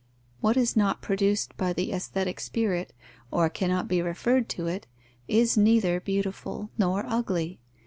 What is not produced by the aesthetic spirit, or cannot be referred to it, is neither beautiful nor ugly.